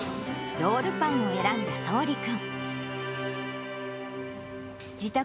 ロールパンを選んだそうり君。